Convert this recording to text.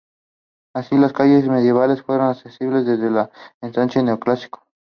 Así, las calles medievales fueron accesibles desde el ensanche neoclásico.